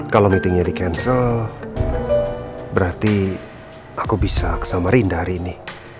kalau meetingnya di cancel berarti aku bisa ke samarinda hari ini